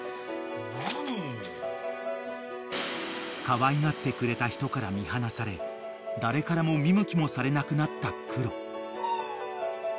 ［かわいがってくれた人から見放され誰からも見向きもされなくなったクロ］